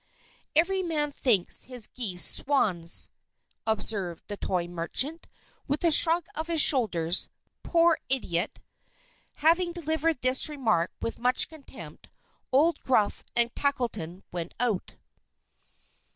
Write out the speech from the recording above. "'Every man thinks his geese swans'," observed the toy merchant, with a shrug of his shoulders. "Poor idiot!" Having delivered this remark with much contempt, old Gruff and Tackleton went out.